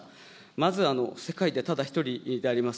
まず世界でただ一人であります